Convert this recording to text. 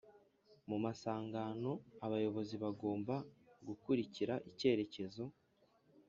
mu masangano abayobozi bagomba gukulikira icyerekezo